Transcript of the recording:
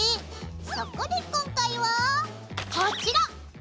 そこで今回はこちら！